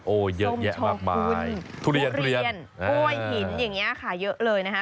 เยอะแยะมากมายทุเรียนกล้วยหินอย่างนี้ค่ะเยอะเลยนะคะ